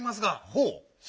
ほう。